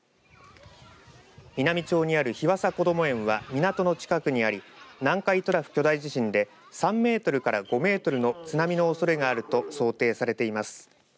美波町にある日和佐こども園は港の近くにあり南海トラフ巨大地震で３メートルから５メートルの津波のおそれがあると想定されています。